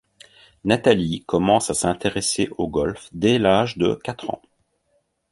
Natalie commence à s'intéresser au golf dès l'âge de quatre ans.